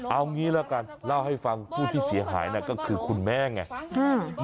เอางี้ละกันเล่าให้ฟังผู้ที่เสียหายน่ะก็คือคุณแม่ไง